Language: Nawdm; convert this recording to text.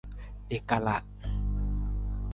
I kalaa.